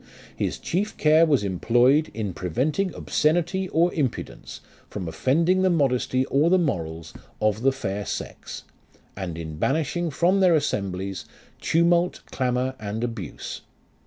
His chief care was employed, In preventing obscenity or impudence From offending the modesty or the morals Of the Fair Sex, And in banishing from their Assemblies Tumult, clamour, and abuse.